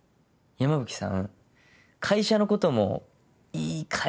山吹さん